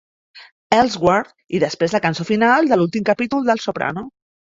"Elsewehere", i després, la cançó final de l'últim capítol de "Els Soprano".